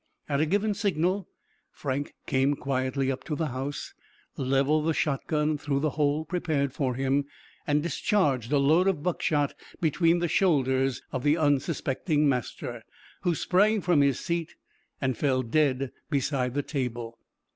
At a given signal, Frank came quietly up the house, levelled the gun through the hole prepared for him, and discharged a load of buck shot between the shoulders of the unsuspecting master, who sprang from his seat and fell dead beside the table.